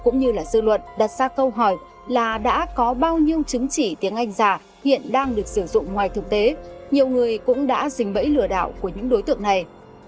nhưng khi tiếng anh giả hiện đang được sử dụng ngoài thực tế nhiều người cũng đã dính bẫy lừa đảo của những đối tượng này